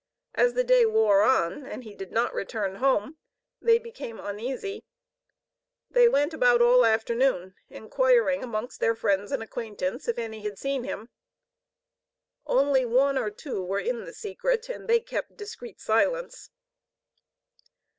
As the day wore on and he did not return home, they became uneasy. They went about all afternoon, inquiring amongst their friends and acquaintance if any had seen him. Only one or two were in the secret, and they kept discreet silence.